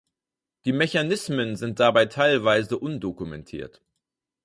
Die Mechanismen sind dabei teilweise undokumentiert.